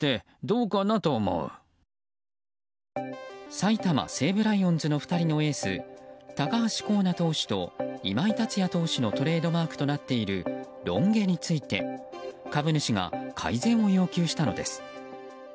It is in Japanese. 埼玉西武ライオンズの２人のエース高橋光成投手と今井達也投手のトレードマークとなっているロン毛について株主が改善を要求したのです。